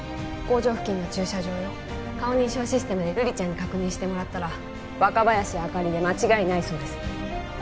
工場付近の駐車場よ顔認証システムで瑠璃ちゃんに確認してもらったら若林朱里で間違いないそうです